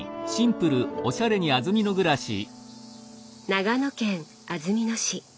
長野県安曇野市。